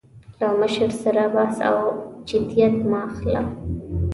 له مشر سره بحث او جدیت مه اخله.